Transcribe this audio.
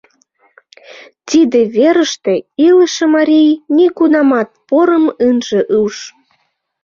Тиде верыште илыше марий нигунамат порым ынже уж.